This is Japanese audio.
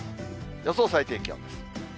予想最低気温です。